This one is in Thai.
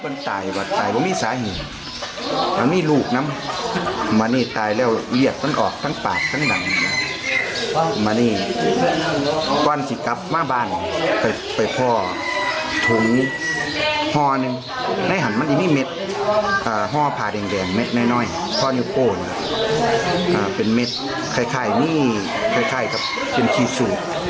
น่ะเป็นเม็ดคล้ายนี่คล้ายก็เป็นทีสุ